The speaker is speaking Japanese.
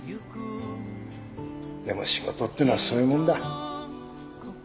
でも仕事っていうのはそういうもんだ。